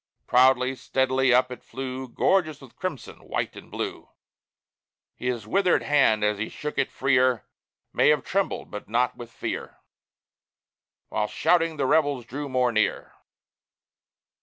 Proudly, steadily, up it flew, Gorgeous with crimson, white and blue, His withered hand as he shook it freer, May have trembled, but not with fear, While shouting the rebels drew more near.